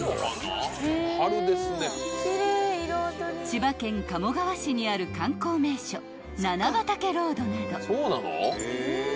［千葉県鴨川市にある観光名所菜な畑ロードなど］